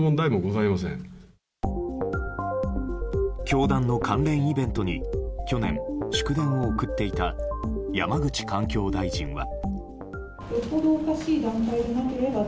教団の関連イベントに去年祝電を送っていた山口環境大臣は。